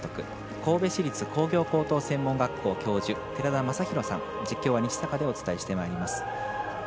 神戸市立工業高等専門学校教授寺田雅裕さん、実況は西阪でお伝えします。